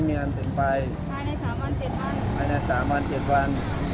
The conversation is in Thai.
ข้าพระเจ้านายชัยพลวิพา